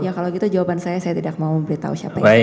ya kalau gitu jawaban saya tidak mau memberitahu siapa yang saya telepon